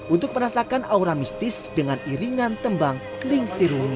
untuk merasakan aura mistis dengan iringan tembang kling sirungi